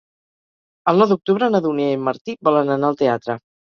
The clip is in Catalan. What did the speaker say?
El nou d'octubre na Dúnia i en Martí volen anar al teatre.